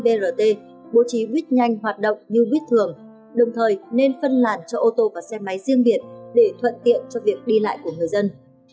brt bố trí buýt nhanh hoạt động như buýt thường đồng thời nên phân làn cho ô tô và xe máy riêng biệt để thuận tiện cho việc đi lại của người dân